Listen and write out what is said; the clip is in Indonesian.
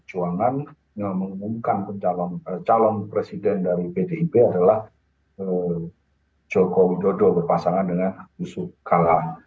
cuangan mengumumkan calon presiden dari pdp adalah joko widodo berpasangan dengan yusuf kalah